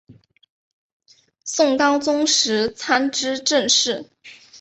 宋高宗时参知政事。